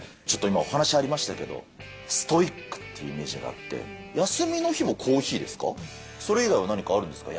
今お話ありましたけれども、ストイックっていうイメージがあって、休みの日ってコーヒーですか、それ以外は何かあるんですか？